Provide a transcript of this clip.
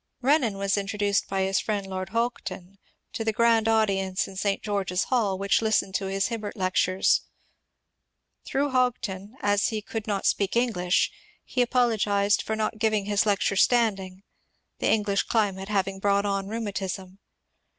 Renan was introduced by his friend Lord Houghton to the grand audience in St. George's Hall which listened to his Hibbert Lectures. Through Houghton — as he could not speak English — he apologized for not ^ving his lecture standing, the English climate having brought on rheumatism.